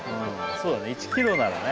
そうだね１キロならね。